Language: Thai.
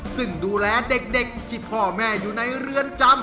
ซึ่งดูแลเด็กที่พ่อแม่อยู่ในเรือนจำ